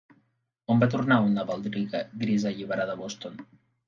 On va tornar una baldriga grisa alliberada a Boston?